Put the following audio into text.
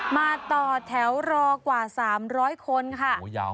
มาต่อแถวรอกว่า๓๐๐คนค่ะ